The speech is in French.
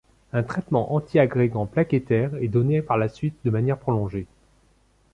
Un traitement par antiagrégants plaquettaires est donné par la suite de manière prolongée.